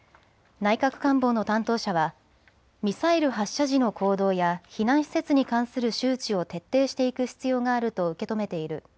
内閣官房の担当者はミサイル発射時の行動や避難施設に関する周知を徹底していく必要があると受け止めている。